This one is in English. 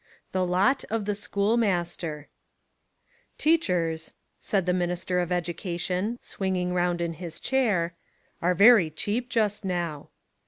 — The Lot of the Schoolmaster TEACHERS," said the Minister of Education, swinging round in his chair, "are very cheap just now."